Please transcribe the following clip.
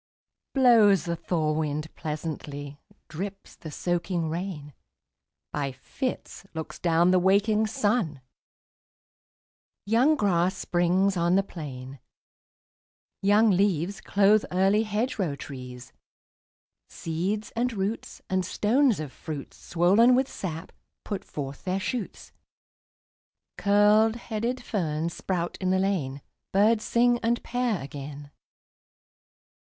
Blows the thaw wind pleasantly, Drips the soaking rain, By fits looks down the waking sun: Young grass springs on the plain; Young leaves clothe early hedgerow trees; Seeds, and roots, and stones of fruits, Swollen with sap, put forth their shoots; Curled headed ferns sprout in the lane; Birds sing and pair again.